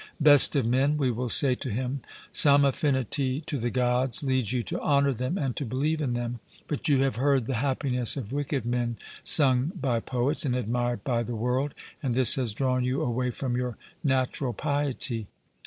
'Best of men,' we will say to him, 'some affinity to the Gods leads you to honour them and to believe in them. But you have heard the happiness of wicked men sung by poets and admired by the world, and this has drawn you away from your natural piety.